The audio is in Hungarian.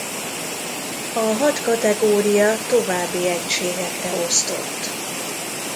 A hat kategória további egységekre osztott.